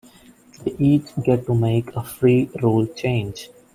The each get to make a free rule change.